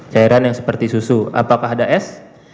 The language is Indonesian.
cairan yang seperti susu apakah ada es